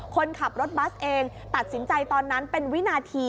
คนขับรถบัสเองตัดสินใจตอนนั้นเป็นวินาที